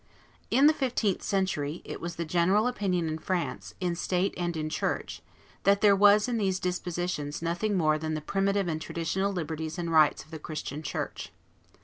In the fifteenth century it was the general opinion in France, in state and in church, that there was in these dispositions nothing more than the primitive and traditional liberties and rights of the Christian church.